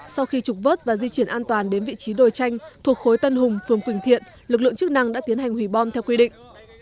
sau khi trục vớt và di chuyển an toàn đến vị trí đồi tranh thuộc khối tân hùng phường quỳnh thiện lực lượng chức năng đã tiến hành hủy bom theo quy định